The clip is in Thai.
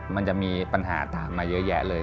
มันจะมีปัญหาตามมาเยอะแยะเลย